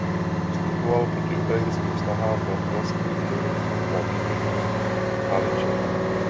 Vystupoval proti ukrajinským snahám o vlastní univerzitu na východní Haliči.